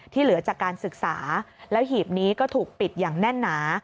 เหลือจากการศึกษาแล้วหีบนี้ก็ถูกปิดอย่างแน่นหนา